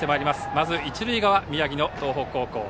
まず一塁側、宮城の東北高校。